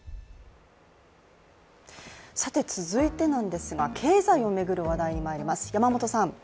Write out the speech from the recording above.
続いてなんですが、経済を巡る話題にまいります。